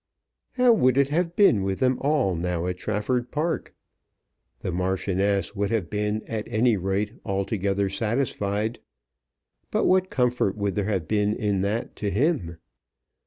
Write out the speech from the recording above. How would it have been with them all now at Trafford Park? The Marchioness would have been at any rate altogether satisfied; but what comfort would there have been in that to him?